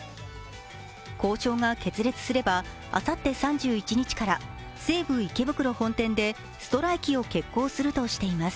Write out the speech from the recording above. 交渉が決裂すれば、あさって３１日から西武池袋本店でストライキを決行するとしています。